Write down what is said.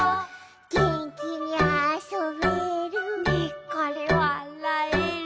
「げんきにあそべる」「ニッコリわらえる」